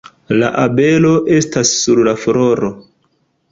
La abelo estas sur la floro